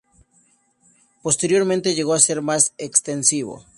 Posteriormente llegó a ser más extensivo.